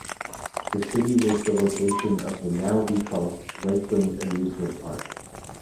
The city was the location of the now defunct Lakeland Amusement Park.